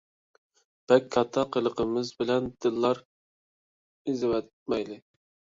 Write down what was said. بەك كاتتا قىلقىلىمىز بىلەن دىللار ئىزىۋەتمەيلى ،